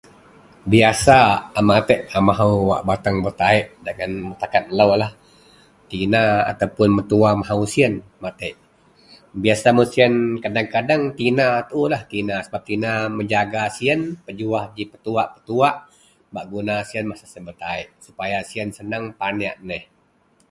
biasa a matek a mahou wak bateng metaik dagen masyarakat melou adalah tina ataupun mentua mahou sien matek, biasa mun sien kadeng-kadeng tina a tuu lah tina sebab tina menjaga sien, pejuah ji petuak-petuak bak guna sien semasa sien betaik supaya sien paniek neh